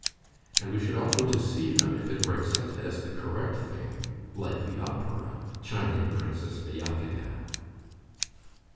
"And we should all go to see them if it were accepted as the correct thing, like the opera," chimed in Princess Myakaya.